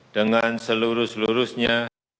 dengan seluruh seluruhnya